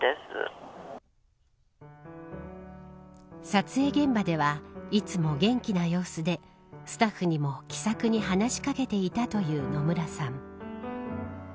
撮影現場ではいつも元気な様子でスタッフにも、気さくに話し掛けていたという野村さん。